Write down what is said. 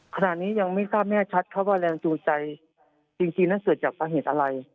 ขณะนี้ยังไม่ทราบแน่ชัดครับว่าแรงจูงใจจริงนั้นเกิดจากสาเหตุอะไร